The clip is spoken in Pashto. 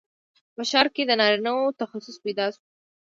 په ښکار کې د نارینه وو تخصص پیدا شو.